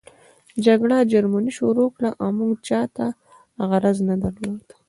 جګړه جرمني شروع کړه او موږ چاته غرض نه درلود